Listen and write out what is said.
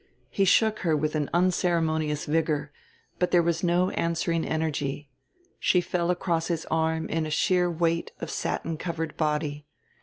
He shook her with an unceremonious vigor, but there was no answering energy; she fell across his arm in a sheer weight of satin covered body.